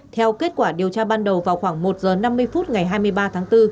theo kết quả điều tra ban đầu vào khoảng một h năm mươi phút ngày hai mươi ba tháng bốn